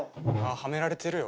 ハメられてるよ